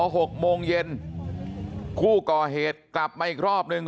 หกโมงเย็นผู้ก่อเหตุกลับมาอีกรอบหนึ่ง